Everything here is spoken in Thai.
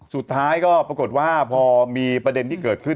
สุดท้ายก็ปรากฏว่าพอมีประเด็นที่เกิดขึ้น